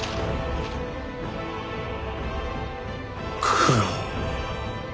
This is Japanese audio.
九郎。